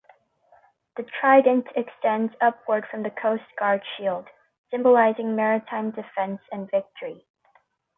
The trident extends upward from the Coast Guard shield, symbolizing maritime defense and victory.